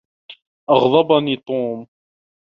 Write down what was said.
أغضبني توم.